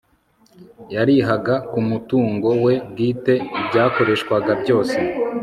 yarihaga ku mutungo we bwite ibyakoreshwaga byose